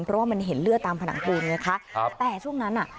เพราะว่ามันเห็นเลือดตามผนังปูนไงคะครับแต่ช่วงนั้นอ่ะ